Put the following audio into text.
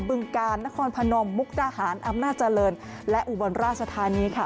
บึงกาลนครพนมมุกดาหารอำนาจเจริญและอุบลราชธานีค่ะ